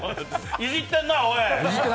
いじってんな、おい！